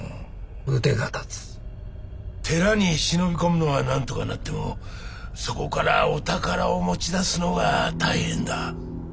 寺に忍び込むのはなんとかなってもそこからお宝を持ち出すのが大変だ。